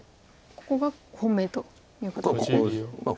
ここが本命ということですね。